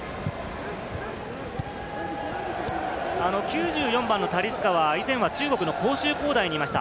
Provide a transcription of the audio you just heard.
９４番のタリスカは以前は中国の広州恒大にいました。